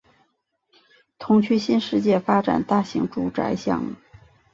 同区新世界发展大型住宅项目